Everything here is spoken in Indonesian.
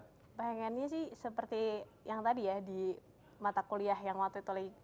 pengennya sih seperti yang tadi ya di mata kuliah yang waktu itu lagi